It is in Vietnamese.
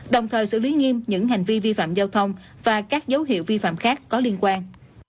đồng thời xử lý nghiêm những hành vi vi phạm giao thông và các dấu hiệu vi phạm khác có liên quan